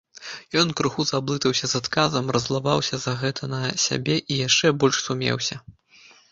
Ён крыху заблытаўся з адказам, раззлаваўся за гэта на сябе і яшчэ больш сумеўся.